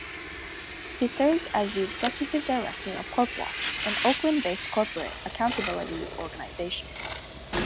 He serves as the executive director of CorpWatch, an Oakland-based corporate accountability organisation.